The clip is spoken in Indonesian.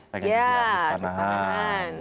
pengen jadi atlet panahan